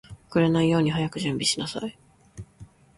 遅れないように早く準備しなさい